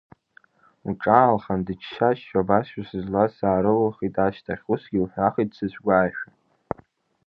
Лҿаалхан, дычча-ччо, абасшәа, сызлаз саарылылхит ашьҭахь, усгьы лҳәахит дсыцәгәаашәа…